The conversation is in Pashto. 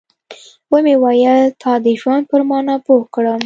ومې ويل تا د ژوند پر مانا پوه کړم.